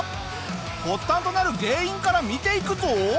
発端となる原因から見ていくぞ！